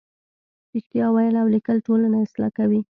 رښتیا ویل او لیکل ټولنه اصلاح کوي.